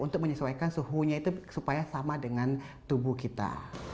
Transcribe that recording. untuk menyesuaikan suhunya itu supaya sama dengan tubuh kita